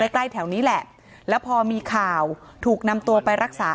ใกล้แถวนี้แหละแล้วพอมีข่าวถูกนำตัวไปรักษา